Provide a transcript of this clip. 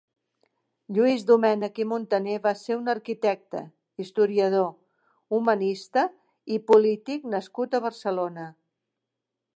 Lluís Domènech i Montaner va ser un arquitecte, historiador, humanista i polític nascut a Barcelona.